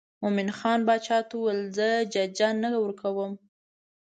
مومن خان باچا ته وویل زه ججه نه ورکوم.